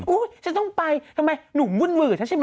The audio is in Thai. อุ๊ยฉันต้องไปทำไมหนุ่มวื้ยใช่ไหม